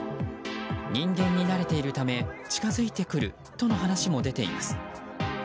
人間に慣れているため近づいてくるとの話も出ています。